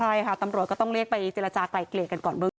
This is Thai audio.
ใช่ค่ะตำรวจก็ต้องเรียกไปเจรจาไกลเกลียดกันก่อน